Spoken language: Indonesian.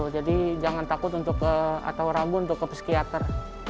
jadi jangan takut untuk ke peskiater